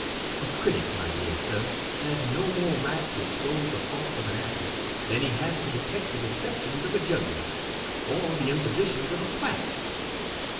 39 A critic, my dear sir, has no more right to expose the faults of an actor, than he has to detect the deceptions of a juggler, or the im positions of a quack.